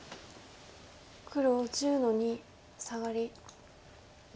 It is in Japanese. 黒１０の二サガリ。